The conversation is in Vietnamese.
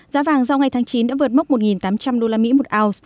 giá vàng giao ngay tháng chín đã vượt mốc một tám trăm linh usd một ounce